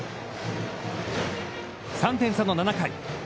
３点差の７回。